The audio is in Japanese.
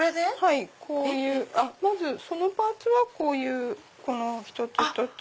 まずそのパーツはこういう一つ一つ。